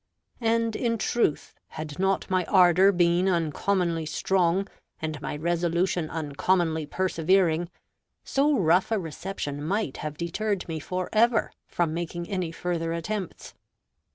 And in truth, had not my ardor been uncommonly strong, and my resolution uncommonly persevering, so rough a reception might have deterred me for ever from making any further attempts.